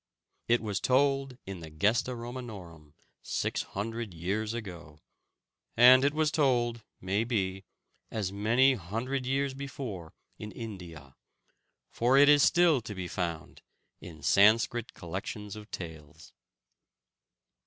It was told in the Gesta Romanorum six hundred years ago, and it was told, may be, as many hundred years before in India, for it is still to be found in Sanskrit collections of tales.